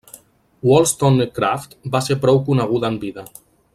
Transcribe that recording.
Wollstonecraft va ser prou coneguda en vida.